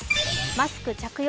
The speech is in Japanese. マスク着用